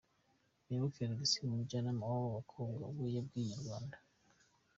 Muyoboke Alex umujyanama w’aba bakobwa we yabwiye Inyarwanda.